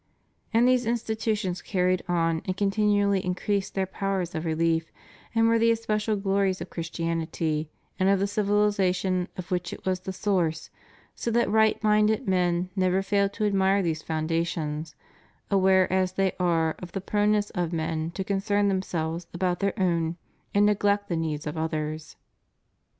And these institutions carried on and continually increased their powers of relief and were the especial glories of Christianity and of the civilization of which it was the source, so that right minded men never fail to admire those foundations, aware as they are of the proneness of men to concern themselves about their own and neglect the needs of others.